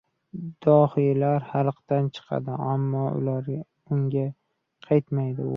— Dohiylar xalqdan chiqadi, ammo unga qaytmaydi.